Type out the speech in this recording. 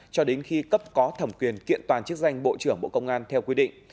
cho đến khi cấp có thẩm quyền kiện toàn chức danh bộ trưởng bộ công an theo quy định